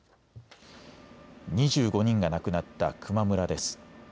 ２５人が亡くなった球磨村です。